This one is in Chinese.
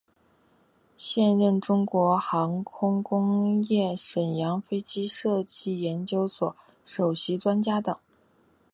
现任中国航空工业沈阳飞机设计研究所首席专家等。